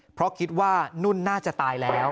เพราะคิดว่านุ่นน่าจะตายแล้ว